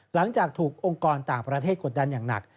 หลังจากถูกองค์กรต่างประเทศกดดันอย่างหนัก